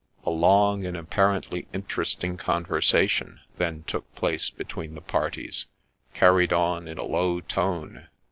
A long, and apparently interesting, conversation then took place between the parties, carried on in a lo\v tone.